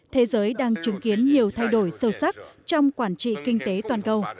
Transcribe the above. thế giới đang chứng kiến nhiều thay đổi sâu sắc trong quản trị kinh tế toàn cầu